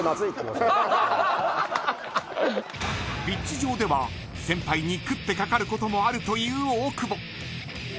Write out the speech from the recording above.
ピッチ上では先輩に食ってかかることもあるという大久保。